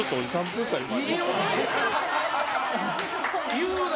言うな！